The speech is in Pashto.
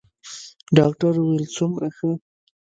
ډاکتر وويل څومره ښه.